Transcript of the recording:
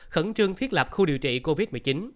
khẩn trương thiết lập khu điều trị covid một mươi chín